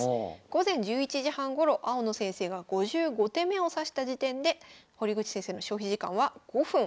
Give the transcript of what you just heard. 午前１１時半ごろ青野先生が５５手目を指した時点で堀口先生の消費時間は５分。